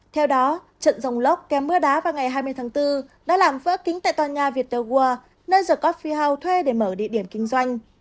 theo đó trận dòng lốc kèm mưa đá vào ngày hai mươi tháng bốn đã làm vỡ kính tại tòa nhà viettel world nơi the coffee house thuê để mở địa điểm kinh doanh